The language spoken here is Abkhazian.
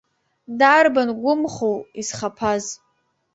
Дарбан гәымхоу исхаԥаз?